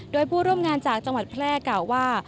โดยผู้ร่วมงานจากจังหวัดแพร่กล่าวว่า